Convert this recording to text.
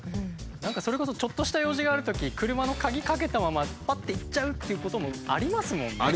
何かそれこそちょっとした用事があるとき車の鍵かけたままパッて行っちゃうっていうこともありますもんね。